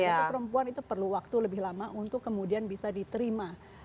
jadi perempuan itu perlu waktu lebih lama untuk kemudian bisa diterima